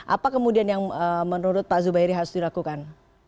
apa kemudian yang menurut pak zubairi harus dilakukan